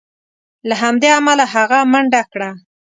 له همدې امله هغه منډه کړه.